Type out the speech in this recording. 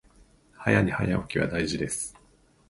早寝早起きは大事です